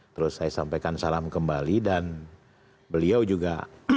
terus saya sampaikan salam kembali dan beliau juga